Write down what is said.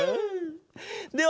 では